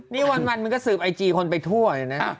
นี่วันมันก็สืบไอจีคนไปทั่วเลยนะ